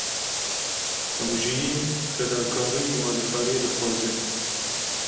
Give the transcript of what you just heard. Komjiyîn, fedakarî û alîkariyê dixwaze.